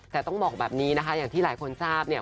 แต่ต้องบอกแบบนี้นะคะอย่างที่หลายคนทราบเนี่ย